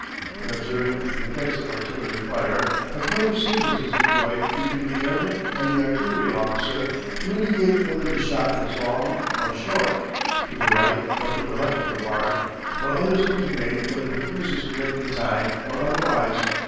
In observing the effects of artillery fire a code of signals is employed between the airman and the artillery officer to indicate whether the shot is "long" or "short," to the right or to the left of the mark, while others intimate whether the fuse is correctly timed or otherwise.